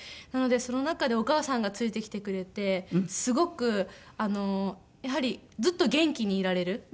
なのでその中でお母さんがついてきてくれてすごくやはりずっと元気にいられる。